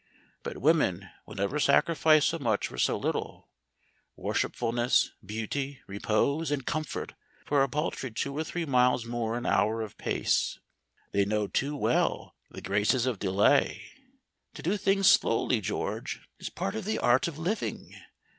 But women will never sacrifice so much for so little; worshipfulness, beauty, repose, and comfort for a paltry two or three miles more an hour of pace. They know too well the graces of delay. To do things slowly, George, is part of the art of living.